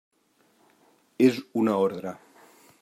És una ordre.